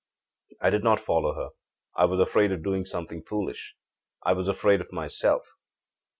I did not follow her. I was afraid of doing something foolish. I was afraid of myself.